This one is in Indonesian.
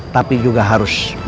tapi juga harus menunggu